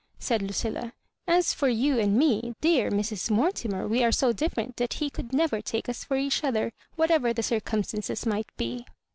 said Lucilla. " As for you and me, dear Mrs. Mortimer, we are so different that he could never take us for each other, whatever the curcum stances might be."